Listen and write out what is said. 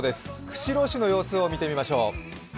釧路市の様子を見てみましょう。